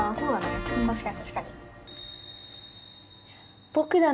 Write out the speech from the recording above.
確かに確かに。